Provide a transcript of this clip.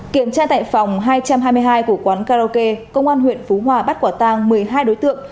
kiểm tra tại phòng hai trăm hai mươi hai của quán karaoke công an huyện phú hòa bắt quả tang một mươi hai đối tượng